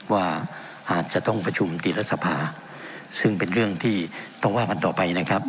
ว่าอาจจะต้องประชุมตีรัฐสภาซึ่งเป็นเรื่องที่ต้องว่ากันต่อไปนะครับ